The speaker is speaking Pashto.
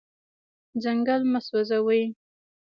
ځنګل مه سوځوئ.